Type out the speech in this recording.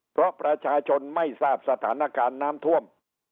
เพราะประชาชนไม่ทราบสถานการณ์น้ำท่วม